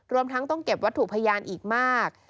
รวมทั้งต้องเก็บวัตถุพยานอีกมาก